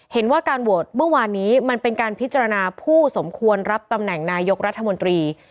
เห็นว่าการโหวตเมื่อวานนี้มันเป็นการพิจารณาผู้สมควรรับตำแหน่งนายกรัฐมนตรี